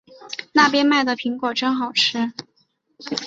那边卖的苹果真的好吃